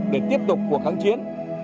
để tiếp tục cuộc kháng chiến